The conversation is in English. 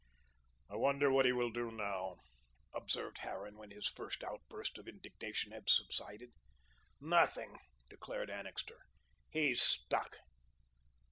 "I wonder what he will do now?" observed Harran when his first outburst of indignation had subsided. "Nothing," declared Annixter. "He's stuck."